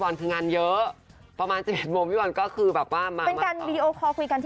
เป็นพี่ชายไงคะอ๋อสนิกกัน